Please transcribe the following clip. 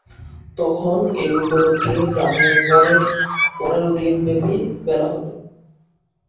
তখন এ উপলক্ষে গ্রামে পনের দিনব্যাপী মেলা হত।